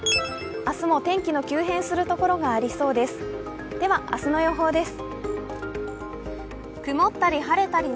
明日も天気の急変するところがありそうです。